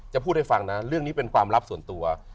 พูดให้ฟังนะเรื่องนี้เป็นความลับส่วนตัว